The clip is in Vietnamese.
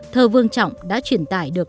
thơ vương trọng đã truyền tải được